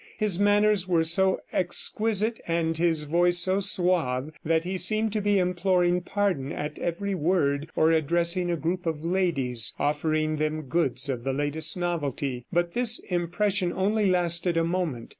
His manners were so exquisite and his voice so suave that he seemed to be imploring pardon at every word, or addressing a group of ladies, offering them goods of the latest novelty. But this impression only lasted a moment.